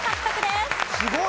すごい！